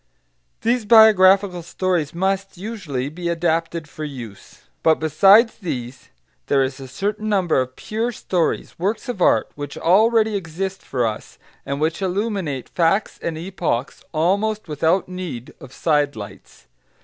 These biographical stories must, usually, be adapted for use. But besides these there is a certain number of pure stories works of art which already exist for us, and which illuminate facts and epochs almost without need of sidelights.